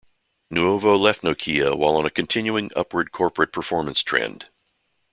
Nuovo left Nokia while on a continuing upward corporate performance trend.